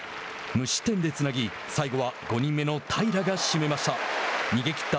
無失点でつなぎ、最後は５人目の平良が締めました。